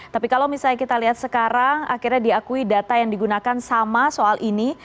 tapi kalau misalnya kita lihat sekarang akhirnya diakui data yang digunakan sama soal ini